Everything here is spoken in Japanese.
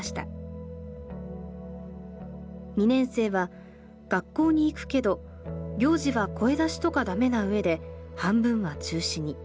２年生は学校に行くけど行事は声出しとかダメな上で半分は中止に。